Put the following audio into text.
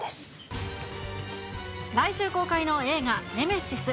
来週公開の映画、ネメシス。